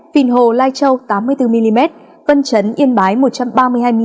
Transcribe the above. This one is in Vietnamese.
phìn hồ lai châu tám mươi bốn mm văn chấn yên bái một trăm ba mươi hai mm